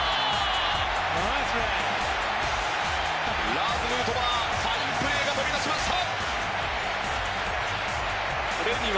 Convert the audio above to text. ラーズ・ヌートバーファインプレーが飛び出しました！